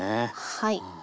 はい。